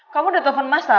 kamu udah telepon masa